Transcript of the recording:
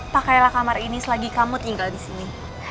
pakailah kamar ini selagi kamu tinggal disini